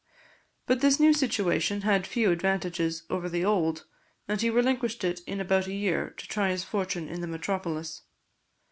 But this new situation had few advantages over the old, and he relinquished it in about a year to try his fortune in the metropolis.